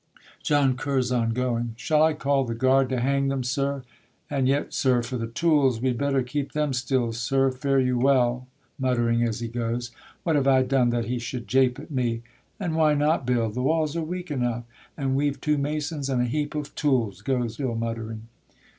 JOHN CURZON (going). Shall I call the guard To hang them, sir? and yet, sir, for the tools, We'd better keep them still; sir, fare you well. [Muttering as he goes. What have I done that he should jape at me? And why not build? the walls are weak enough, And we've two masons and a heap of tools. [_Goes, still muttering.